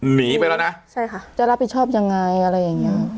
หนีไปแล้วนะใช่ค่ะจะรับผิดชอบยังไงอะไรอย่างเงี้ย